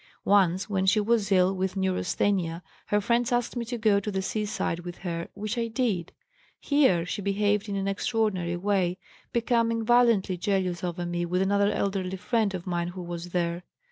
Once when she was ill with neurasthenia her friends asked me to go to the seaside with her, which I did. Here she behaved in an extraordinary way, becoming violently jealous over me with another elderly friend of mine who was there.